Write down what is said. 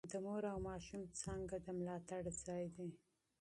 د مور او ماشوم څانګه د ملاتړ ځای دی.